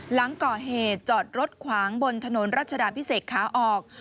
หลังก่อเหตุจอดรถขวางบนถนนรัชดาพิเศษขาออก